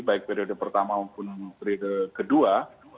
baik periode pertama maupun periode kedua